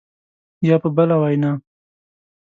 یا په بله وینا